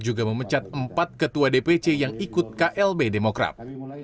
juga memecat empat ketua dpc yang ikut klb demokrat